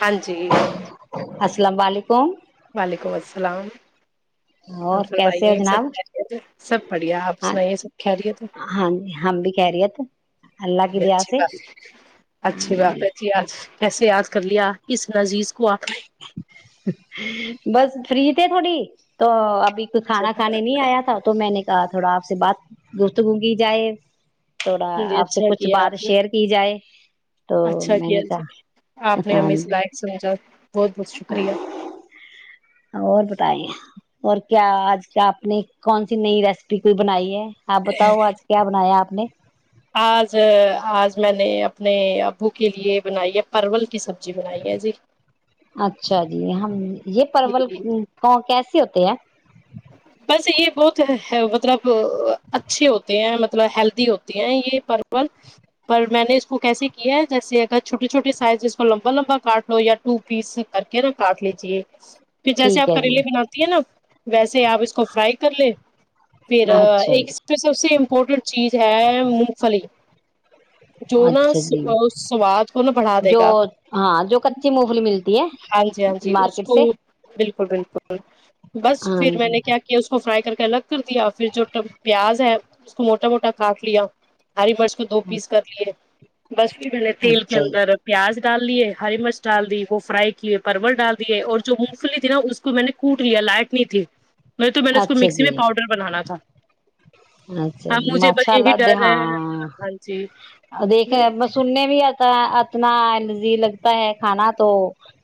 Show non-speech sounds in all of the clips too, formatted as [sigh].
ہاں جی السلام علیکم وعلیکم السلام اور کیسے ہو سائیے یہ جناب سب سب بڑھیا آپ ہاں سنائیے سب کہہ لی تھ ہاں جی ہم بھی خیریت اللہ کی دعا اچھی سے ب ہاں اچھی بات جی ہے تھی آج کیسے یاد کر لیا کس نذیز کو آپ نے بس فری تھ تھوڑی تو کو کھانا کھانے نہیں آیا تھا تو میں نے کیا تھوڑا آپ سے بات گفت گوں گی جائے تھوڑا جی آپ سے اچھا کچھ کیا بات آپ نے شیئر کی جائے [unintelligible] اچھا میں کیا نے جی کہا آپ نے ہممی سے لائق سمجھا بہت بہت شکریہ ہاں اور بتائیے اور کیا آج کا آپ نے کون سی نئی ریسیپی کوئی بنائی ہے آپ بتاؤ آج کیا بنایا آپ نے آج آج میں نے اپنے ابو کے لیے بنائی ہے پرول کی سبزی بنائی ہے جی اچھا جی ہم یہ پرل جی کو کیس ہوتے ہے بس یہ بہت مطلب اچھے ہوتے ہیں مطلب ہیلدی ہوتے ہیں یہ پرول پر میں نے اس کو کیسے کیا ہے جیسے اگر چھوٹی چھوٹی سائز جس کو لمبا لمبا کاٹ لو یا ٹو پیس کر کے نا کاٹ لیجیے ج پھر جیسے ٹھیک آپ ہے جی کریلیے بناتی ہیں نا ویسے آپ اس کو فرائی کر لے پھر اچھا جی ایک امپورٹنٹ چیز ہے مونگ پھلی جو اچھا جی نہا سواد کو نہا بڑھا دے جو گا ہاں جو کچی مونگ پھلی ملتی ہے ہاں جی ہاں جی اس مارکیٹ ا سے بالکل ک بالکل بس ہاں پھر میں جی نے کیا کیا اس کو فرائی کر کے الگ کر دیا پھر جو پیاز ہے اس کو موٹا موٹا کاٹ لیا ہری برس کو دو پیس کر لیے بس پھر بنے تیل کے اچھا جی اندر پیاز ڈال دیے ہری مرچ ڈال دی وہ فرائی کیئے پرورل ڈال دیے اور جو جو مونگ پھلی تھی نا اس کو میں نے کوٹ لیا لائٹ نہیں تھی نہیں تو میں نے اس کو اچھا مکسی جی میں پاؤڈر بنانا تھا اچھا ہ جی مجھے ب ماشاء یہی ڈر اللہ رہے ہاں جی ا اتنا الرجی لگتا ہے کھانا تو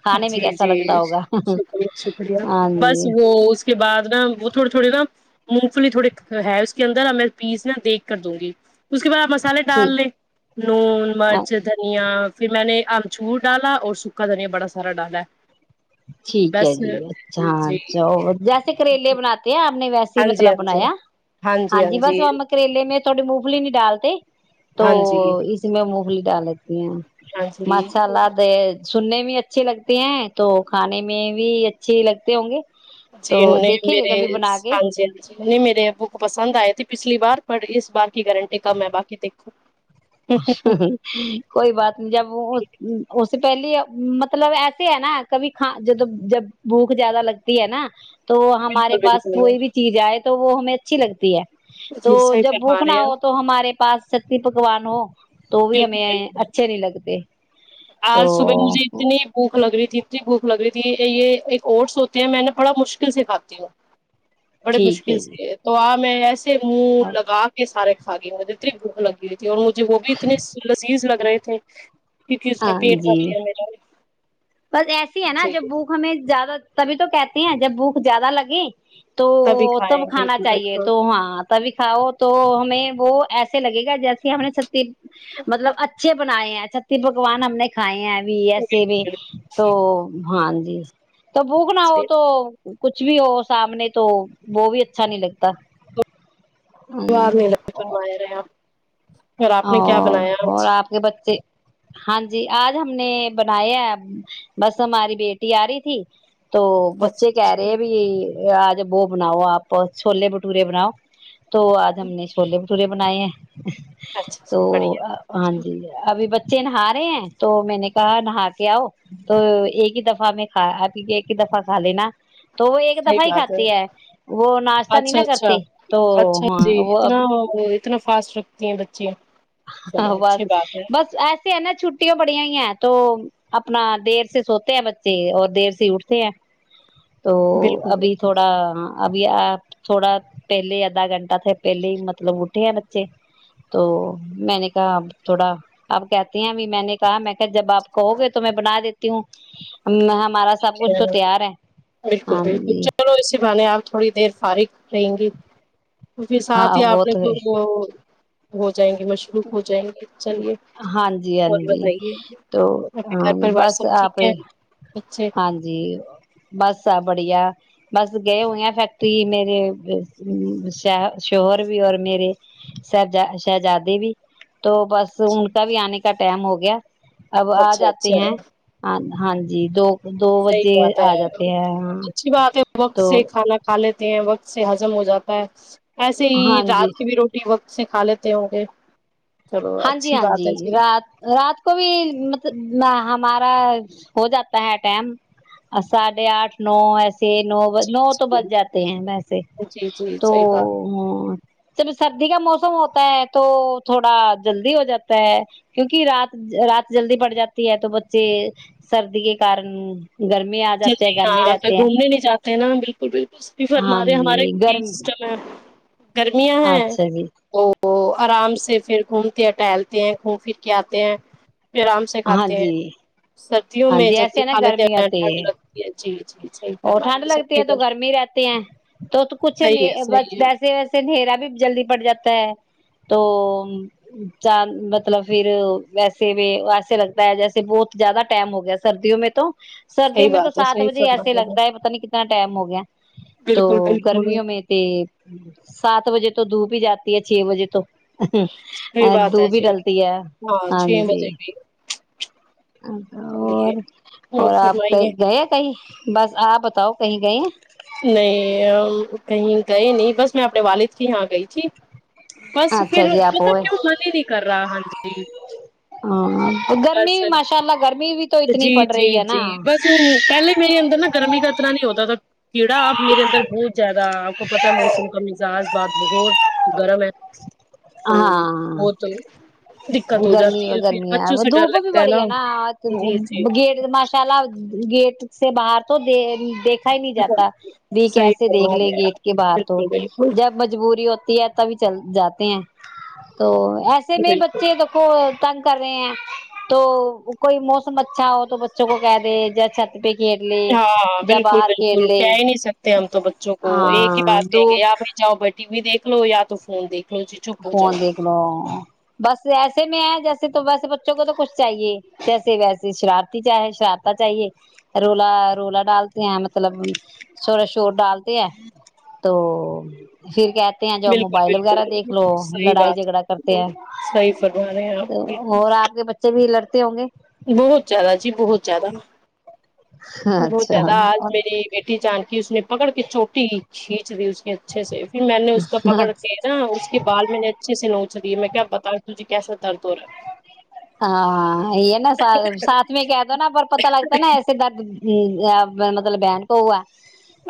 کھانے میں جی کیسا جی لگتا ہوگا شکریہ شکریہ ہاں بس جی وہ اس کے بعد نا وہ تھوڑی تھوڑی نا مونگ فلی تھوڑے ہے اس کے اندر ا میں پیس نا دیکھ کر دوں گی اس کے بعد آپ مسالے ڈال ٹھیک لیں نون مرچ دھنیا پھر میں نے اچور ڈالا اور سکھا دھیا بڑا سر ڈا ل ٹھیک ہے جی اچھا چا جیسے کریلے بناتے ہیں آپ نے ویسے ہاں جی مطلب ہاں جی بنایا ہاں ج بس وم کریلے میں تھوڑی مونگفلی نہیں ڈالتے تو ہاں جی اس میں مغل ڈال یہ ہاں جی مسالہ د سننے میں اچھے لگتے ہیں تو کھانے میں بھی اچھے لگتے ہوں گے جی تو دیکھیں گے میر کبھی بنا کے ہاں جی ہ جی میرے بک پسند آئے پچھلی بار پر اس بار کی گارنٹی کا میں باقی دیکھوں کوئی بات نہیں جب بالکل س سے پہلیے مطلب ایسے ہے نا کبھی ک ج جب بھوک زیادہ لگتی ہے نا تو ہمارے پاس کوئی بالکل بھی چیز آئے تو وہ ہمیں اچھی لگتی ہے تو جی صحیح جب بھوک فرما نہ رہے ہو تو ہمارے پاس ستی پکوان تو بھی بالکل ہمیں بالکل اچھے نہیں لگ لگتے تو آج صبح مجھے اتنی بھوک لگ رہی تھی دری بھوک لگ رہی تھی یہ ایک اوٹس ہوتے ہیں میں نے بڑا مشکل سے کھاتی ہوں بڑے ٹھیک مشکل ہے جی سے تو آپ میں ایسے من لگا کے سارے ہگے متری بھک لگی اور مجھے وہ بھی اتنے لذیذ لگ رہے ٹھیک کیونکہ اس کا ہاں پیٹ جی بھرتی ہے میرا بس ایسی ہے نا جی جب بھوک ہمیں زیادہ تبھی تو کہتے ہیں جب بھوک زیادہ لگے تو تبھی کھائے تب کھانا بالکل چاہیے بالکل تو ہاں تبھی کھاؤ تو ہمیں وہ ایسے لگے گا جیسے ہم نے س مطلب اچھے بناائے ہیں چھتی پکوان ہم نے کھائے ہیں بھی ایسے بھی بالکل تو ہاں جی تو بھک نہ ہو جی تو کچھ بھی ہو سامنے تو وہ بھی اچھا نہیں لگتا تو م فرمایا رہیا اور اور آپ کے بچے ہاں جی آج ہم نے بنایا ہے بس ہماری بیٹی آ رہی تھی تو بچے کہہ رہے اچھا ہیں بھی آج وہ بناؤ آپ چھوولے بھٹورے بناؤ تو آج ہم نے چھولے بھٹورے بنائے ہیں ا [inaudible] اچھا تو بڑھیا ہاں جی صحیح ابھی ب بچے نہا رہے ہیں تو میں نے کہا نہا کے آؤ تو ایک ہی دفعہ میں کھ آ ایک ہی دفعہ کھا لینا تو وہ ایک دفہ ہی کھاتی ہے وہ ناشتہ نہیں اچھا نا اچھا کرتے تو اچھا ہاں جی وہ ا اتنا وہ اتنا فاسٹ رکھتی ہیں بچیاں ہاں بس بس ایسیے ہے نا چھٹیوں بڑیاں ہی ہیں تو اپنا دیر سے سوتے ہیں بچے اور دیر سے اٹھتے ہیں تو بالکل ابھی بالکل تھوڑا آپ تھوڑا پہلے آدھا گھنٹہ تھا پہلے ہی مطلب اھے ہیں بچے تو میں نے کہا تھوڑا اب کہ بھی میں نے کہا میں کہ جب آ کہو گے تو میں بنا دیتا تی ہوں [inaudible] ٹھیک کچھ ہے تو تیار بالکل ہاں بالکل جی چلو اسے بان آپ تھوڑی دیر فارغ رہیں گی تو پھر ہاں ساتھ ہی آ وہ نے تو ہے کو وہ وہ [inaudible] جائیں گے مشروف ہو جائیں گے چلیے ہاں جی ہاں اور جی بتائیے تو آ کے گھر پوار سب ٹھیک ہے بچے ہاں جی بس آ بڑھیا بس گئے ہوئے ہیں فیکٹری میرے ش شوہر بھی اور میرے ش شہزادے بھی تو بس ان کا بھی آنے کا ٹائم ہو گیا اب آ اچھا جاتے اچھا ہیں ہاں جی تو صحیح بات ہے اچھی بات ہے وقت تو سے کھانا کھا لیتے وقت سے ہضم ہو جاتا ایسے ہی ہاں جی رات کی بھی روٹی وت سکھا لیتے ہوں گے [unintelligible] ہاں جی اچھی ہاں بات جی ہے رات رات کو بھی مطلب ہمارا ہو جاتا ہے ٹم ساڑھے آٹھ نو ایسے نو نو تو جی بج جاتے ہیں ویسے جی جی تو صحیح بات ہ سب سردی کا موسم ہوتا ہے تو تھوڑا جلدی ہو جاتا ہے کیونکہ رات رات جلدی پڑ جاتی ہے تو بچے سردی کے کارن گرمی آ جاتے جلدی ہیں گرمی ہاں پہ رہتے ہیں گھومنے نہیں جاتے نا بالکل بالکل اس بھی ہاں فرما دیں جی ہمارے یہ گرم سسٹم ہے گرمیاں ہیں اچھا جی وہ آرام سے پھر گھومتے ہیں ٹہلتے ہیں گھوم پھر کے آتے ہیں آرام سے ہاں کھاتے ہیں جی سب وں میں جتی کالے وہ رہے ٹھنڈ ہیں سب لگتی کے ہے تو ادھر گرمی رہتے ہیں تو کچھ صحیح ہے صحیح ہے ویسے ویسے نہھیرا بھی جلدی پڑ جاتا ہے توان مطلب پھر ویسے بھی ایسے لگتا ہے جیسے بہت زیادہ ائم ہو گیا سردی میں تو سردیوں صحیح میں تو بات ہے سات صحیح بجے فرما ایسے رہے ہیں لگتا ہے پتا نہیں کتنا ٹائم ہو گیا تو بالکل بالکل گرمیوں میں تھ سات بجے تو دھوپ ہی جاتا چھ بجے تو صحیح بات ہے دو بھی جی ڈلتی ہے ہاں چھ جی بجے بھی اور چلیے اور آپ کہ گئے کہیں بس آپ بتاؤ کہیں گئے ہیں نہیں کہیں گئے نہیں بس میں اپنے والد جی ہاں گئی تھی بس اچھا پھر جی آپ پت ہوئے کیوں من ہی نہیں کر رہا ہاں جی ہاں گرمی بس بھی ماشاء اللہ گرمی بھی تو اتنی جی پڑ جی رہی ہے نا جی بس وہ پہلے میرے اندر نہا گرمی کطرہ نہیں ہوتا تھا کیڑا آپ میرے اندر بہت زیادہ آپ پتا ہے موسم کا مزاج بعات بہت گرم ہے تو ہو ہاں تو دقت ہو گرمی جاتی ہے پھر گرمی بچوں ہے سے ڈر دھوپ بھی لگتا بڑی ہے نا جی جی بگیٹ ماشا لاب گیٹ سے باہر تو د دیکھ ہی نہیں جاتا بھی صحیح کیسے دیکھ فرما لے رہے ہیں گیٹ کے آپ باہر تو بالکل بالکل جب مجبوری ہوتی ہے بھی چل جاتے ہیں تو ایسے میں بالکل کو تنگ کر رہے ہیں تو کوئی موسم اچھا ہو تو بچوں کو کہہ دے جی ہاں بالکل بالکل لے کہہ ہی نہیں سکتے ہم تو بچوں کو ایک ہی ہاں بات کہیں دو گے یا بھائی جاؤ بیٹھے ٹی وی دیک لو یا تو فون دیک فون دیکھ لو بس ایسے میں ہے جیسے وے تو ویسے بچوں کو تو کچھ چاہیے جیسے ویسے شرارتی چاہے شرارتا چاہیے رولا رولا ڈالتے ہیں مطلب شورا شور ڈالتے ہیں تو پھر کہ تے ہیں جو بالکل موبائل وغیرہ دیک بالکل صحیح لڑائی بات جھگڑا کرتے ہے ہیں صحیح فرما رہے ہیں آپ تو بالکل اور آپ کے بچے بھی لڑتے ہوں گے بہت زیادہ جی بہت زیادہ بہت اچھا زیادہ آج میری بیٹی جان اس نے پکڑ کے چوٹی چھینچ اس اچھے سے پھر میں نے اس کا پکڑ کے نا اس کے بال میں نے اچھے سے نوچ دیے میں کیا بتا تج کیسا درد ہو رہا ہاں ہے نا ساتھ میں کہ دو نا پر پتتا لگتا ہے نا ایسے درد ہ مطلب بن کوؤا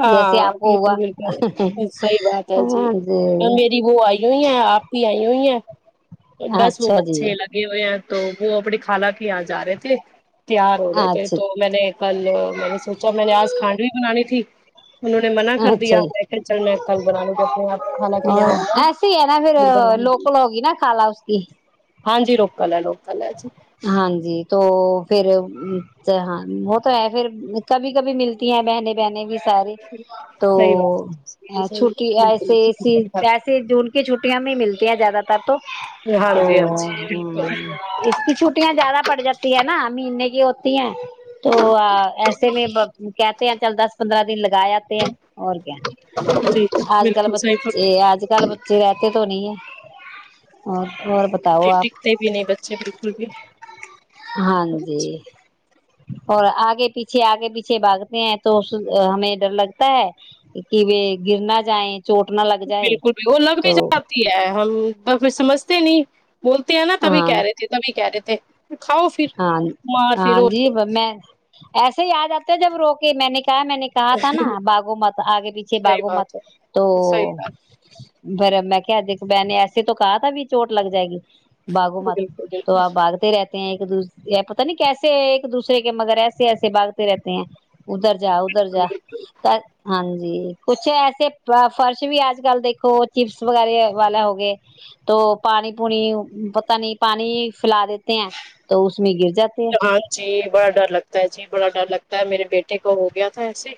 ہاں بالکل بالکل صحیح بات ہے جی ہاں جی میری وہ آئی ہوئی ہیں آپ بھی آئی ا ہوی ہے بس وہ اچھا جی بچے لگے ہوئے ہیں تو وہ اپنی خالہ کی یہاں جا رہے تھے تیار ہو رہے تھے اچھا تو میں نے کل میں نے سوچا میں نے آج کھانڈو بنانی تھی انہوں نے منع کر اچھا دیا جی میں کہ چل میں کل بنا لوں گ اپنے آپ کالا کے اور یہاں ہو گا ایسے ہی ہے نا پھر بؤ گ لوکل ہوگی نا خالہ اس کی ہاں جی روک کلڑوں ہاں جی تو پھر ہاں وہ تو ہے پھر کبھی کبھی ملتی ہیں بہنے بہنے بھی سارے تو صحیح بات صحیح چٹی ایسے ای صحیح پسے جو کی چھٹیاں میں ہی ملتی ہیں زیادہ ت تو ہاں جی ہاں جی جی اس کی چھٹیاں زیادہ پڑ جاتی ہے نا مہینے کی ہوتی ہیں تو ایسے میں کہتے ہیں چل دس پندرہ دن لگا جاتے ہیں اور کیا آج کل بالکل صحیح فرما بچے آج کل بچے رہتے تو نہیں ہے [inaudible] ج آپ ٹکتے بھی نہیں بچے اچھا بالکل بھی ہاں جی اور آگے پیچھے آگے پیچھے باگتے ہیں تو اس ہمیں ڈر لگتا ہے کہ گر نہ جائیں چوٹ نہ لگ جائے بالکل بھی وہ لگ بھی تو جاتی ہے ہم ب سمجھتے نہیں بولتے ہیں نا تبھی ہاں کہہ رہتے ہیں تبھی کہہ رہتے ت کاؤ پھر ہاں بمار پھر ہاں جی کیا میں ایسے یاد آتا ہے جب روک میں نے کیا کیا میں نے کہا تھا نا باگو مت آگے پیچھے صحیح باگو مت بات تو ہے صحیح بات بھر میں کہ دھ بہ نے ایسے تو کہا تھا بھی چوٹ لگ جائے گی باگو مت بالکل تو آپ بالکل باگتے رہتے ہیں پت نہیں کیسے ایک دوسرے کے مگر ایسے ایسے باگتے رہتے ہیں ادھر جا ادھر جا ہاں ج جی کچھ ایسے فرش بھی آج کل دیکھو چپس وغیرہ والا ہوگئے تو پانی پونی پت نہیں پانی پلا دیتے ہیں تو اس میں گر جاتے ہیں ہاں جی بڑا ڈر لگتا ہے جی بڑا ڈر لگتا ہے میرے بیٹے کو ہو گیا تھا ایسے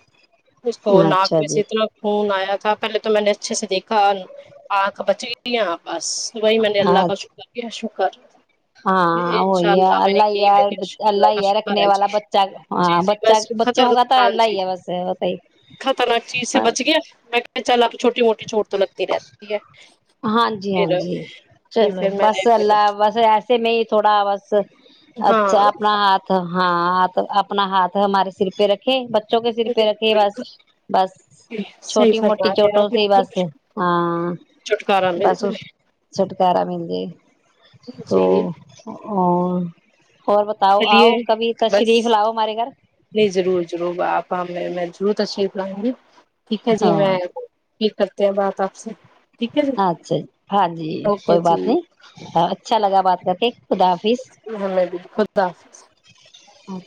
اس کو ناک اچھا میں جی سے اتنا خون آیا تھا پہلے تو میں نے اچھے سے دیکھا آنکھ بچ گئی ت بس ص وہی میں نے اللہ کا اچ شکر کیا ش خ ہاں ا یہ اللہ ج یار اللہ شکلہ ہی شکر رکھنے ہے والا جی بچہ جی ہاں جی بچہ بس بچوں کا تو خطرک ہان اللہ جی ہی ہے بس بتائی خطرناک چیز سے بچ گیا میں کہ چل آپ چھوٹی موٹی چھوٹ تو لگتی رہتی ہے ہاں جی ہاں پھر جی ج پھر میں نے پھر اس سے میں تھوڑا بس اچھا ہاں اپنا ہاتھ ہاں تو اپنا ہاتھ ہمارے سر پہ رکھے بوں کے سر پہ رکھھی بالکل بس بس صحیح چھوٹی موٹی فرما چ رہے ٹ آپ سے بالکل بس ہاں چھٹکارا مل بس اس جائے چھٹکارا مل جائے تو جی اور بتاؤ چلیے آؤ کبھی کا بس شریف لاؤ ہمارے گھر نہیں ضرور ضرور باپ میں ضورت اچھی پائؤ گی ٹھیک ہے جی ہاں میں کرتے ہیں بات آپ سے ٹھیک ہے جی اچھا ہاں جی اوکے کوئی بات جی نہیں اچھا لگ بات کا ٹھیک الحم بھی خدا حافظ اور